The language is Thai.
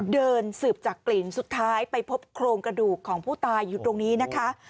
เดินสืบจากกลิ่นสุดท้ายไปพบโครงกระดูกของผู้ตายอยู่ตรงนี้นะคะ